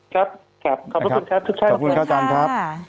ครับขอบพระคุณครับทุกครับขอบพระคุณครับอาจารย์ครับ